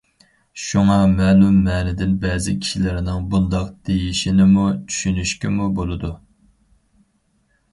شۇڭا مەلۇم مەنىدىن بەزى كىشىلەرنىڭ بۇنداق دېيىشىنىمۇ چۈشىنىشكىمۇ بولىدۇ.